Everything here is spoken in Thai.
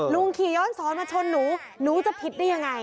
ขี่ย้อนสอนมาชนหนูหนูจะผิดได้ยังไง